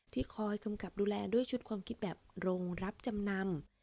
ที่คอยกำกับดูแลด้วยชุดความคิดแบบโรงรับจำนำ